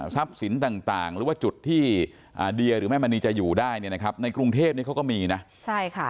ซับสินต่างหรือว่าจุดที่เดียหรือแม่มณีจะอยู่ได้ในกรุงเทพก็มีนะ